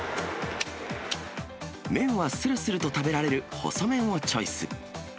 麺はするすると食べられる細麺をチョイス。